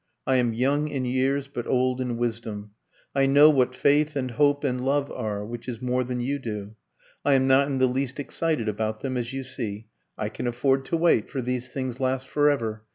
I am young in years, but old in wisdom. I know what faith and hope and love are, which is more than you do. I am not in the least excited about them, as you see; I can afford to wait, for these things last for ever.